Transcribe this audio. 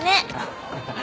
ハハハ。